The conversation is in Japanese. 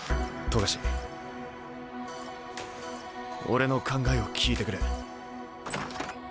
俺の考えを聞いてくれ。